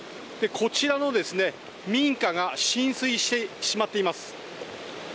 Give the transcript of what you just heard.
こちらの民家が浸水してしまっています。